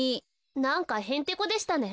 なんかへんてこでしたね。